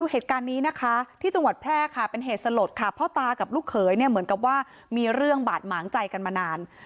เหตุการณ์นี้นะคะที่จังหวัดแพร่ค่ะเป็นเหตุสลดค่ะพ่อตากับลูกเขยเนี่ยเหมือนกับว่ามีเรื่องบาดหมางใจกันมานาน